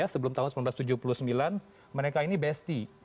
sebelum tahun seribu sembilan ratus tujuh puluh sembilan mereka ini besti